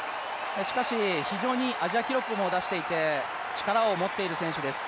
しかし、アジア記録も出していて、非常に力を持っている選手です。